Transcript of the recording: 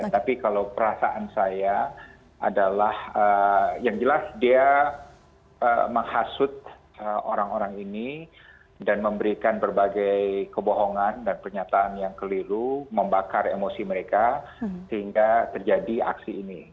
tapi kalau perasaan saya adalah yang jelas dia menghasut orang orang ini dan memberikan berbagai kebohongan dan pernyataan yang keliru membakar emosi mereka sehingga terjadi aksi ini